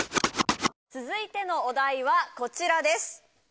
続いてのお題はこちらです